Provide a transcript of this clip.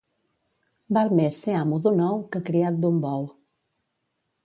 Val més ser amo d'un ou que criat d'un bou